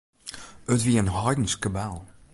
It wie in heidensk kabaal.